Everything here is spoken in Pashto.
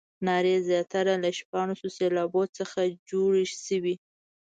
نارې زیاتره له شپاړسو سېلابونو څخه جوړې شوې.